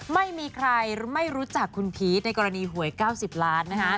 ไม่มีใครไม่รู้จักคุณพีชในกรณีหวย๙๐ล้าน